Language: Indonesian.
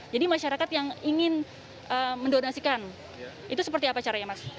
jadi masyarakat yang ingin mendonasikan itu seperti apa caranya mas